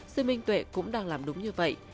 sư minh tuệ cũng đang làm đúng như vậy